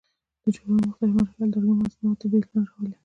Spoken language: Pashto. د جوړونې مختلفې مرحلې او د لرګي مصنوعات تر برید لاندې راولي.